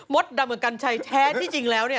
ดำกับกัญชัยแท้ที่จริงแล้วเนี่ย